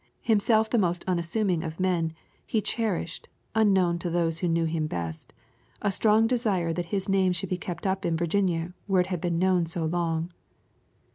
Himself the most unassuming of men, he cherished, unknown to those who knew him best, a strong desire that his name should be kept up in Virginia where it had been known so long.